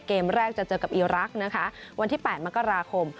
เกมแรกจะเจอกับอีรักษ์นะคะวันที่๘มกราคม